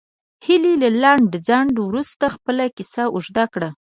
هیلې له لنډ ځنډ وروسته خپله کیسه اوږده کړه